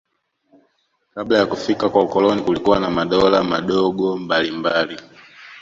Kabla ya kufika kwa ukoloni kulikuwa na madola madogo mbalimbali